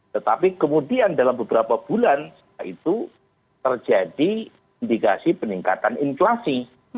tetapi kemudian dalam beberapa bulan setelah itu terjadi indikasi peningkatan inflasi